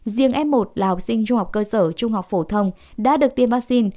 riêng f một là học sinh trung học cơ sở trung học phổ thông đã được tiêm vaccine